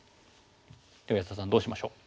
では安田さんどうしましょう？